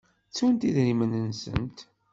Ttunt idrimen-nsent.